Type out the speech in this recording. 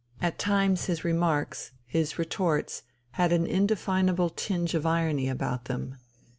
At times his remarks, his retorts, had an indefinable tinge of irony about them.